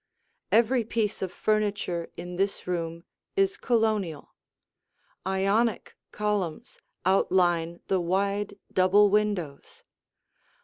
Every piece of furniture in this room is Colonial. Ionic columns outline the wide double windows.